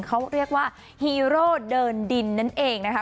เขาเรียกว่าฮีโร่เดินดินนั่นเองนะคะ